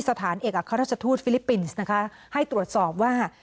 เขาจะทูตฟิลิปปินส์ให้ตรวจสอบว่า